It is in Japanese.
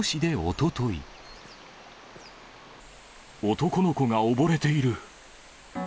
男の子が溺れている。